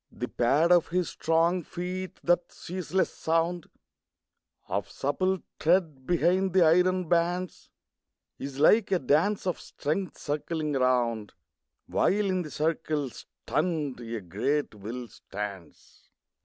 The pad of his strong feet, that ceaseless sound Of supple tread behind the iron bands, Is like a dance of strength circling around, While in the circle, stunned, a great will stands.